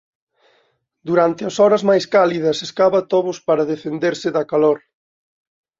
Durante as horas máis cálidas escava tobos para defenderse da calor.